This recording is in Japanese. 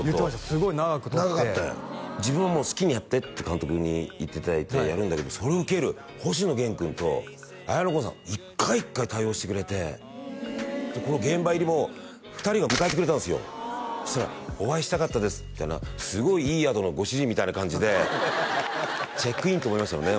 すごい長くて自分はもう「好きにやって」って監督に言っていただいてやるんだけどそれを受ける星野源君と綾野剛さん一回一回対応してくれてこの現場入りも２人が迎えてくれたんですよそしたら「お会いしたかったです」みたいなすごいいい宿のご主人みたいな感じでチェックインと思いましたもんね